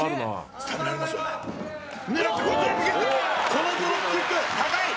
このドロップキック高い！